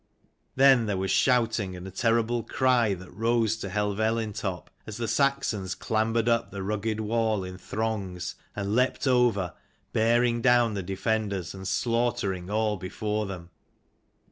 Then was there shouting, and a terrible cry that rose to Helvellyn top, as the Saxons clambered up the rugged wall in throngs, and leapt over, bearing down the defenders and slaughtering all before them.